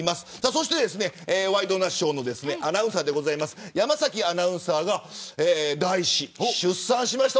そしてワイドナショーのアナウンサー山崎アナウンサーが第１子を出産しました。